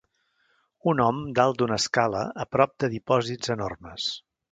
Un hom dalt d'una escala a prop de dipòsits enormes.